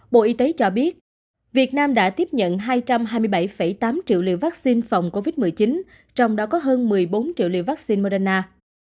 bộ y tế cho biết việt nam đã tiếp nhận hai trăm hai mươi bảy tám triệu liều vaccine phòng covid một mươi chín trong đó có hơn một mươi bốn triệu liều vaccine moderna